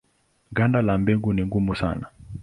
Ganda la mbegu ni gumu sana.